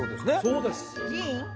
そうです